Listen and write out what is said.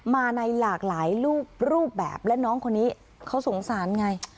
มาในหลากหลายรูปแบบและน้องคนนี้เขาสงสารไง